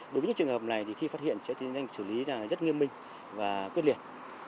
đối với những trường hợp này thì khi phát hiện sẽ tiến hành xử lý rất nghiêm minh và quyết liệt